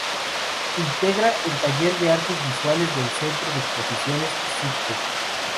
Integra al taller de Artes Visuales del Centro de Exposiciones Subte.